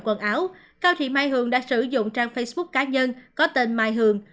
quần áo cao thị mai hường đã sử dụng trang facebook cá nhân có tên mai hường